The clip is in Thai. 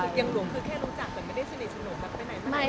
คือเกียงหลวงคือแค่รู้จักแต่ไม่ได้ชนิดชนิดหลวงกันไปไหน